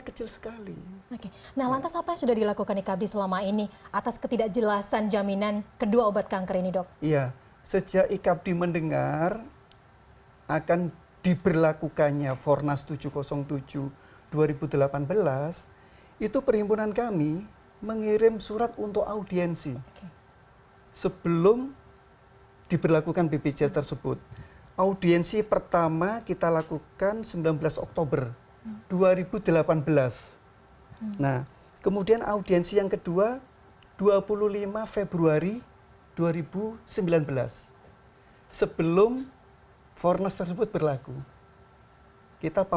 karena kalau kita tidak memberikan terjadi under treatment itu beban kita sebagai seorang klinisi ini berat sekali